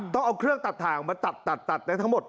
ต้องเอาเครื่องตัดถ่างมาตัดตัดได้ทั้งหมด